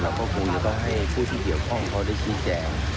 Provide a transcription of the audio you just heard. เราก็คงจะต้องให้ผู้ที่เกี่ยวข้องเขาได้ชี้แจง